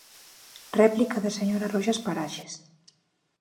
Réplica da señora Roxas Paraxes.